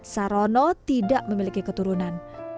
sarono tidak memiliki keturunan